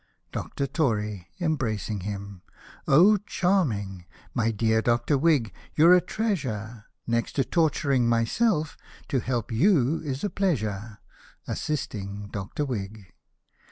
Dr. Tory {end)7'acing him). — Oh, charming ! My dear Doctor Whig, you're a treasure. Next to torturing myself^ to liel^ you is a pleasure. [^Assisting Dr. Whig.